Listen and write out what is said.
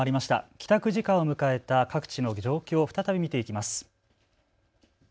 帰宅時間を迎えた各地の状況、再び見ていきます。